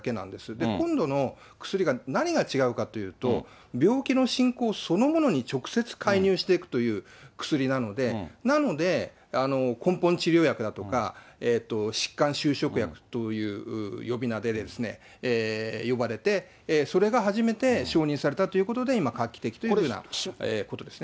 で、今度の薬が何が違うかっていうと、病気の進行そのもの直接介入していくという、薬なので、なので、根本治療薬だとか疾患収縮薬という呼び名で呼ばれて、それが初めて承認されたということで、今、画期的というようなことですね。